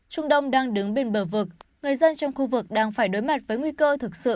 trung đông đang đứng bên bờ vực người dân trong khu vực đang phải đối mặt với nguy cơ thực sự